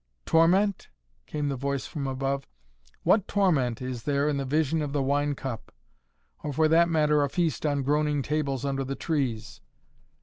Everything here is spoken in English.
"Torment?" came the voice from above. "What torment is there in the vision of the wine cup or, for that matter, a feast on groaning tables under the trees?